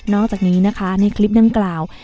อกจากนี้นะคะในคลิปดังกล่าว